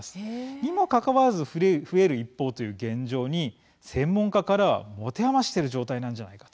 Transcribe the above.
にもかかわらず増える一方という現状に専門家からは持て余している状態なんじゃないかと。